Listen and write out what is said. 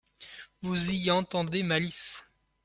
Vous y entendez malice.